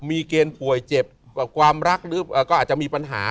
มีเกณฑ์ป่วยเจ็บกว่าความรักหรือก็อาจจะมีปัญหา